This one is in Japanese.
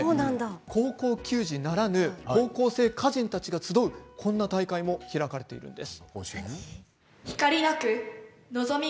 高校球児ならぬ高校生歌人たちが集うこんな大会も開かれているんです。